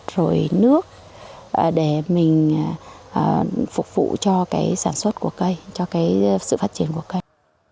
rồi nước để mình phục vụ cho cái sản xuất của cây cho cái sự phát triển của cây